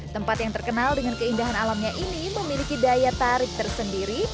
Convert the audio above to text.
tempat yang terkenal dengan keindahan alamnya ini memiliki daya tarik tersendiri